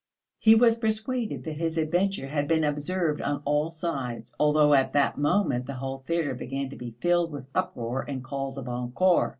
He was persuaded that his adventure had been observed on all sides, although at that moment the whole theatre began to be filled with uproar and calls of encore.